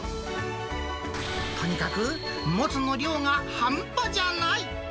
とにかくもつの量が半端じゃない。